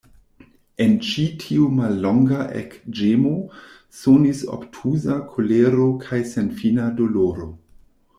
En ĉi tiu mallonga ekĝemo sonis obtuza kolero kaj senfina doloro.